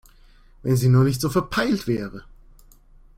Wenn sie nur nicht so verpeilt wäre!